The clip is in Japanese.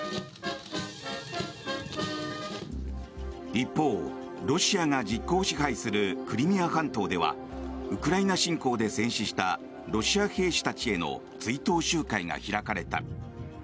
一方、ロシアが実効支配するクリミア半島ではウクライナ侵攻で戦死したロシア兵士たちへの追悼集会が開かれた。